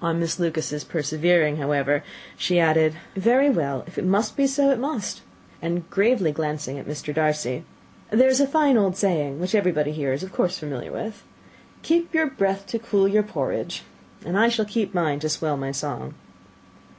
On Miss Lucas's persevering, however, she added, "Very well; if it must be so, it must." And gravely glancing at Mr. Darcy, "There is a very fine old saying, which everybody here is of course familiar with 'Keep your breath to cool your porridge,' and I shall keep mine to swell my song."